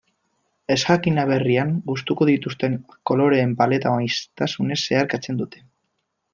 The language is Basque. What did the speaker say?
Ezjakin aberrian gustuko dituzten koloreen paleta maisutasunez zeharkatzen dute.